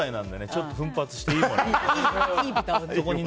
ちょっと奮発していいものを。